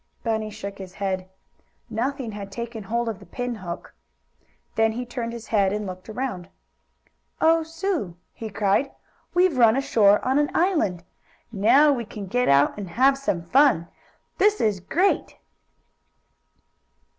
Bunny shook his head. Nothing had taken hold of the pin hook. Then he turned his head and looked around. "Oh, Sue!" he cried. "We've run ashore on an island. Now we can get out and have some fun! This is great!"